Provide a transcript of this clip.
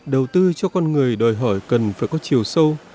đầu tư cho con người đòi hỏi cần phải có chiều sâu